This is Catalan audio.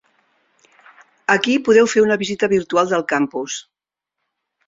Aquí podeu fer una visita virtual del campus.